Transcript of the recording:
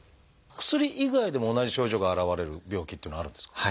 薬以外でも同じ症状が現れる病気っていうのはあるんですか？